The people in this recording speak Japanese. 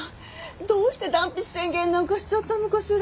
どうして断筆宣言なんかしちゃったのかしら？